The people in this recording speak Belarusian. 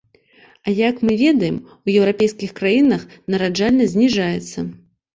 А як мы ведаем, у еўрапейскіх краінах нараджальнасць зніжаецца.